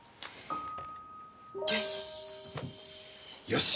よし！